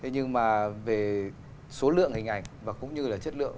nhưng mà về số lượng hình ảnh và cũng như là chất lượng